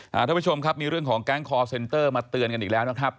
ท่านผู้ชมครับมีเรื่องของแก๊งคอร์เซ็นเตอร์มาเตือนกันอีกแล้วนะครับ